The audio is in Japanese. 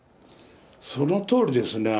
そのとおりですね。